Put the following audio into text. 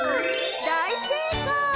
だいせいかい！